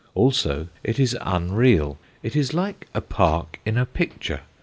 Also it is unreal: it is like a park in a picture.